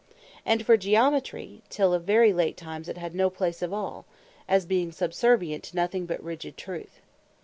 And for Geometry, till of very late times it had no place at all; as being subservient to nothing but rigide Truth.